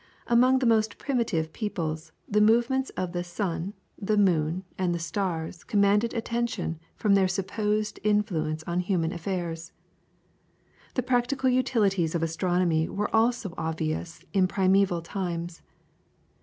Among the most primitive peoples, the movements of the sun, the moon, and the stars commanded attention from their supposed influence on human affairs. The practical utilities of astronomy were also obvious in primeval times.